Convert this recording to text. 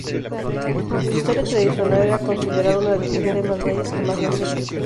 En la historia tradicional, era considerada una de las mujeres más bellas jamás nacidas.